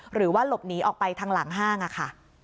หรือว่าหลบหนีออกไปทางหลังห้างค่ะ